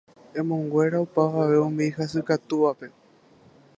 emonguera opavave umi hasykatúvape